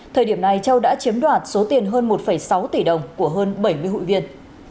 thời điểm này châu đã chiếm đoạt số tiền hơn một sáu tỷ đồng của hơn bảy mươi hụi viên